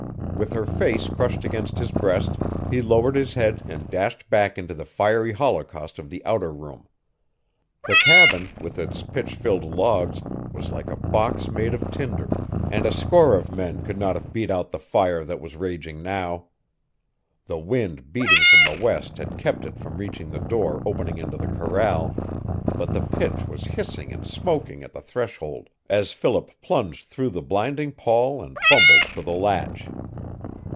With her face crushed against his breast he lowered his head and dashed back into the fiery holocaust of the outer room. The cabin, with its pitch filled logs, was like a box made of tinder, and a score of men could not have beat out the fire that was raging now. The wind beating from the west had kept it from reaching the door opening into the corral, but the pitch was hissing and smoking at the threshold as Philip plunged through the blinding pall and fumbled for the latch.